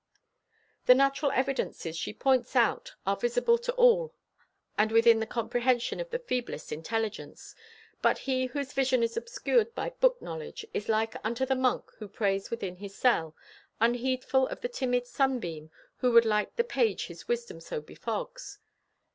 The natural evidences she points out are visible to all and within the comprehension of the feeblest intelligence, but he whose vision is obscured by book knowledge "is like unto the monk who prays within his cell, unheedful of the timid sunbeam who would light the page his wisdom so befogs."